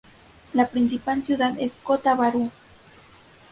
La principal ciudad es Kota Baru.